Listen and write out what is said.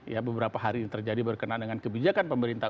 ya beberapa hari ini terjadi berkenaan dengan kebijakan pemerintah